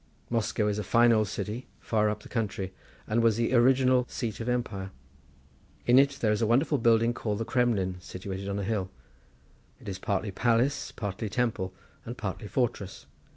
Moscow is a fine old city, far up the country, and was the original seat of empire. In it there is a wonderful building called the Kremlin, situated on a hill. It is partly palace, partly temple, and partly fortress.